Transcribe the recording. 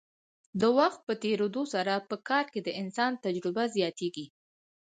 د وخت په تیریدو سره په کار کې د انسان تجربه زیاتیږي.